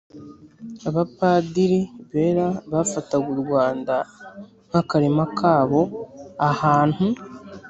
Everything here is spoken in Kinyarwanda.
Abapadiri bera bafataga u Rwanda nk akarima kabo Ahantu